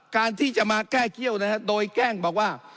การที่จะมาแก้เคี่ยวนะครับโดยแกล้งบอกว่า